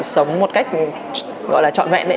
sống một cách gọi là trọn vẹn